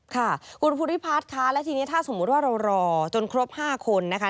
ค่ะคุณภูริพัฒน์ค่ะและทีนี้ถ้าสมมุติว่าเรารอจนครบ๕คนนะคะ